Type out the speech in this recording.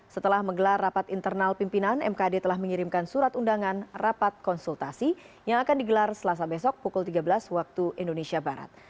setelah menggelar rapat internal pimpinan mkd telah mengirimkan surat undangan rapat konsultasi yang akan digelar selasa besok pukul tiga belas waktu indonesia barat